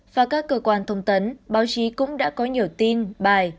và các cơ quan thông tấn báo chí cũng đã có nhiều tin bài